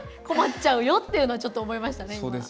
困っちゃうよというのはちょっと思いましたね。